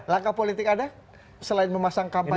langkah politik anda selain memasang kampanye